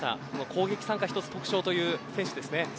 攻撃参加一つ特徴という選手ですね。